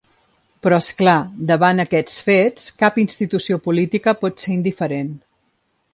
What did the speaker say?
Però és clar, davant aquests fets, cap institució política pot ser indiferent.